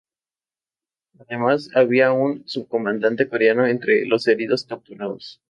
Además había un subcomandante coreano entre los heridos capturados.